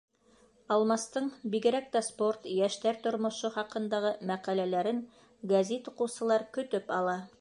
Алмастың бигерәк тә спорт, йәштәр тормошо хаҡындағы мәҡәләләрен гәзит уҡыусылар көтөп ала.